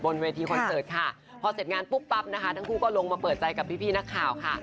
เวทีคอนเสิร์ตค่ะพอเสร็จงานปุ๊บปั๊บนะคะทั้งคู่ก็ลงมาเปิดใจกับพี่นักข่าวค่ะ